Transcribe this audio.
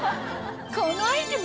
このアイテム